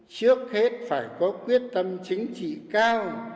trước hết phải có quyết tâm chính trị cao